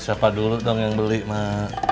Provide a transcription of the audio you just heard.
siapa dulu dong yang beli mak